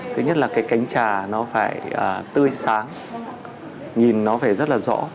thứ nhất là cái cánh trà nó phải tươi sáng nhìn nó phải rất là rõ